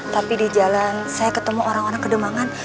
tapi di jalan saya ketemu orang orang kedemangan